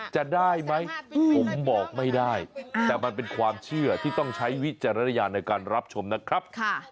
จะได้ไหมผมบอกไม่ได้แต่มันเป็นความเชื่อที่ต้องใช้วิจารณญาณในการรับชมนะครับ